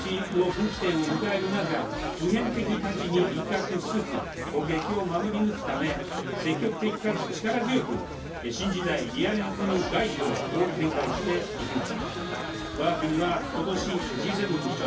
歴史の分岐点を迎える中、普遍的価値に立脚しつつ、国益を守り抜くため、積極的かつ力強く新時代リアリズム外交を展開していきます。